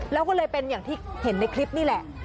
แล้วก็เลยเป็นอย่างที่เห็นในคลิปนี่แหละ